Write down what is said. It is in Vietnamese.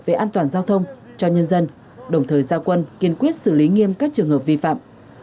về an toàn giao thông cho nhân dân đồng thời giao quân kiên quyết xử lý nghiêm các trường hợp vi phạm